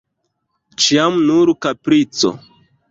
Ĉiam nur kaprico!